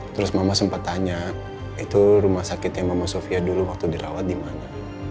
terus mama sempat tanya itu rumah sakitnya mama sofia dulu waktu dirawat di mana